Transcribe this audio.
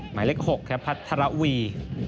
หมายเลข๖ครับพัทรวี